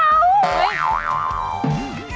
เฮ้ย